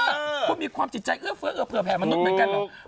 เออคุณมีความจิตใจเอื้อเฟื้อแผ่นมนุษย์เหมือนกัน